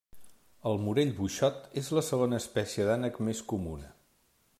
El Morell buixot és la segona espècie d'ànec més comuna.